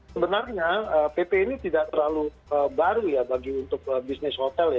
sebenarnya pp ini tidak terlalu baru ya bagi untuk bisnis hotel ya